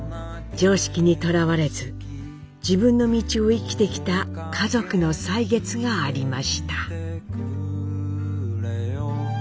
常識にとらわれず自分の道を生きてきた家族の歳月がありました。